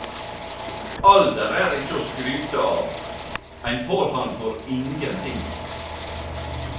Alder er ikkje å skryte av; ein får han for ingenting.